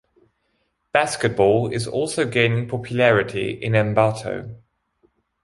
Basketball is also gaining popularity in Ambato.